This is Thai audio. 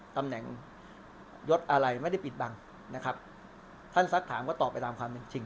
ตำแหน่งยศอะไรไม่ได้ปิดบังนะครับท่านสักถามก็ตอบไปตามความจริงจริง